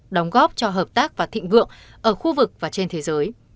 đóng góp cho hợp tác và thịnh vượng ở khu vực và trên thế giới